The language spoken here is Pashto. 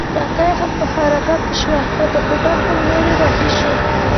بګۍ هم په حرکت شوه او د هوټل په لور رهي شوو.